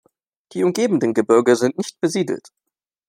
Die umgebenden Gebirge sind nicht besiedelt.